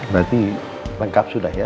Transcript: berarti lengkap sudah ya